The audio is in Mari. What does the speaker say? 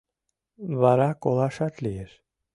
Вара колашат лиеш.